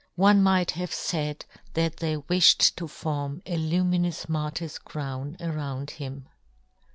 One might have faid that they wifhed to form a luminous martyr's crown around him.